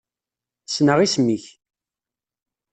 Ssneɣ isem-ik.